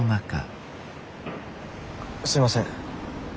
すみません